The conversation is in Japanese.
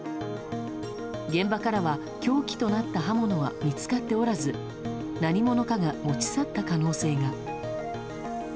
現場からは凶器となった刃物は見つかっておらず何者かが持ち去った可能性が。